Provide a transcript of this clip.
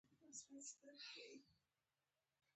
د افغانستان جغرافیه کې مس ستر اهمیت لري.